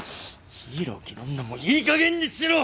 ヒーロー気取んのもいいかげんにしろ！